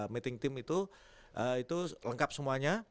meeting team itu itu lengkap semuanya